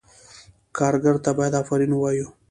کارګر ته باید آفرین ووایو.